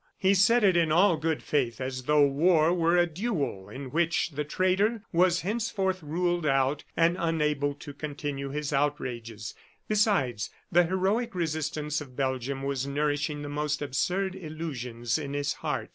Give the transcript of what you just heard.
He said it in all good faith as though war were a duel in which the traitor was henceforth ruled out and unable to continue his outrages. Besides, the heroic resistance of Belgium was nourishing the most absurd illusions in his heart.